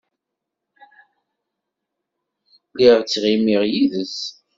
Lliɣ ttɣimiɣ yid-s.